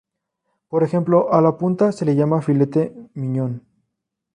Por ejemplo a la punta se la llama filete miñón.